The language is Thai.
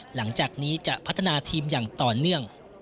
หลังจากนี้จะพัฒนาทีมอย่างต่อเนื่อง